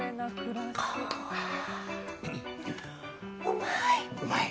うまい！